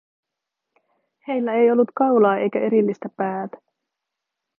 Heillä ei ollut kaulaa eikä erillistä päätä.